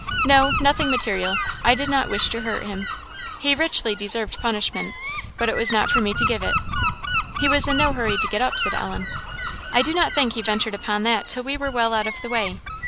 no nothing material; I did not wish to hurt him. He richly deserved punishment, but it was not for me to give it." "He was in no hurry to get up," said Ellen. "I do not think he ventured upon that till we were well out of the way.